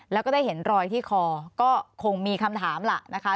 แล้วก็ได้เห็นรอยที่คอก็คงมีคำถามล่ะนะคะ